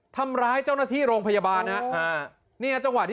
ทำร้ายเจ้าหน้าที่โรงพยาบาลนะ